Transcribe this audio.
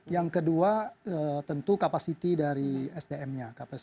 yang kedua tentu kapasiti dari sdm nya